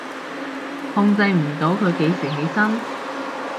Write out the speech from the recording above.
控制唔到佢幾時起身？